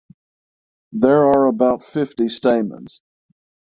There are about fifty stamens.